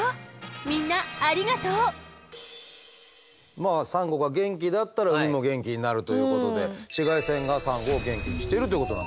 まあサンゴが元気だったら海も元気になるということで紫外線がサンゴを元気にしているということなんですね。